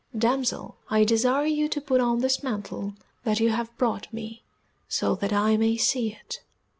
Damsel, I desire you to put on this mantle that you have brought me, so that I may see it."